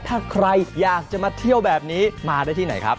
ถ้าใครอยากจะมาเที่ยวแบบนี้มาได้ที่ไหนครับ